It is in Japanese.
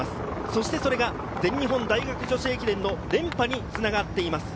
そしてそれが全日本大学女子駅伝の連覇に繋がっています。